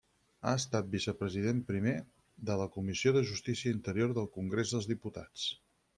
Ha estat Vicepresident Primer de la Comissió de Justícia Interior del Congrés dels Diputats.